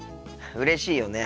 うれしいよね。